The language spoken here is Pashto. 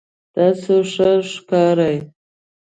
تاسو ښه ښکارئ